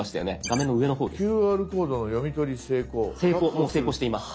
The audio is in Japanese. もう成功しています。